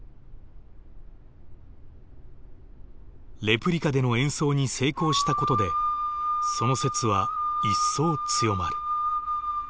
レプリカでの演奏に成功したことでその説は一層強まる。